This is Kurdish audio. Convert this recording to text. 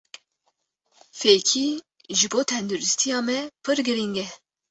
Fêkî ji bo tendirustiya me pir girîng e.